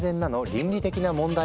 倫理的な問題は？